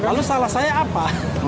lalu salah saya apa